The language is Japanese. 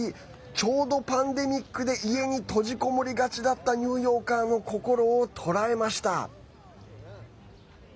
ちょうどパンデミックで家に閉じこもりがちだったニューヨーカーの心をとらえました。